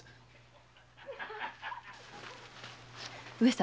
上様